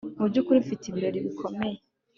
Mubyukuri mfite ibirori bikomeye